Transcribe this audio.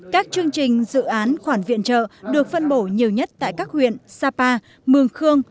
các chương trình dự án khoản viện trợ được phân bổ nhiều nhất tại các huyện sapa mường khương